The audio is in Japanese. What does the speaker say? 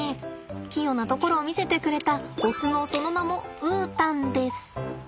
器用なところを見せてくれたオスのその名もウータンです。